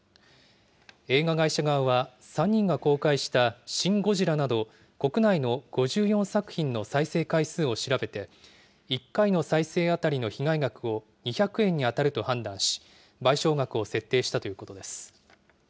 映画会社側は、３人が公開したシン・ゴジラなど、国内の５４作品の再生回数を調べて、１回の再生当たりの被害額を２００円に当たると判断し、賠償額を設定したということです。